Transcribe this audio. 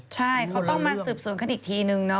ใช่เขาต้องมาสืบสวนกันอีกทีนึงเนาะ